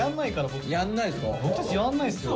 僕たちやんないですよ。